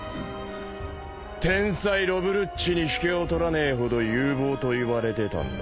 天才ロブ・ルッチに引けを取らねえほど有望と言われてたんだぜ俺も。